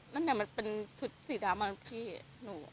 นั่นไหนมันเป็นชุดสีดำมากับพี่หนู